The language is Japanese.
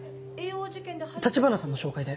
立花さんの紹介で。